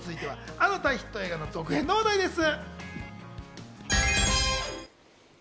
あの大ヒット映画の続編の話題です。